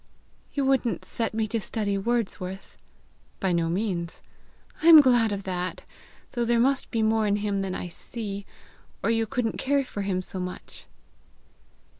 "You wouldn't set me to study Wordsworth?" "By no means." "I am glad of that though there must be more in him than I see, or you couldn't care for him so much!"